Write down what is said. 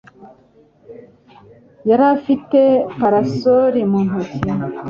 Yari afite parasol mu ntoki.